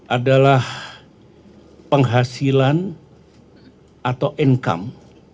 adalah penghasilan atau income